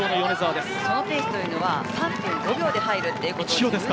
そのペースは３．５秒で入るということです。